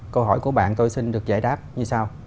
câu hỏi của bạn tôi xin được giải đáp như sau